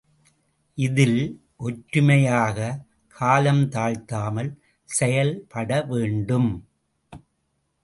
இதில் ஒற்றுமையாக, காலம் தாழ்த்தாமல் செயல்பட வேண்டும்.